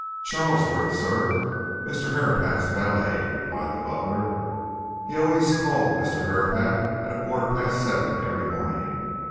"Charlesworth, sir Mr. Herapath's valet," replied the butler. "He always called Mr. Herapath at a quarter past seven every morning.